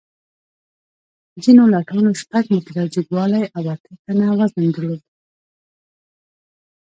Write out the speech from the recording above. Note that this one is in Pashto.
ځینو لټانو شپږ متره جګوالی او اته ټنه وزن درلود.